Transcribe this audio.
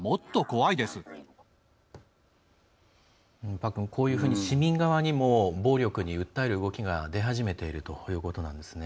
パックン、こういうふうに市民側にも暴力に訴える動きが出始めているということなんですね。